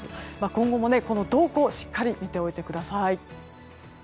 今後も動向をしっかり見ておいてください。